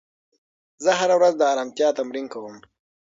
زه هره ورځ د ارامتیا تمرین کوم.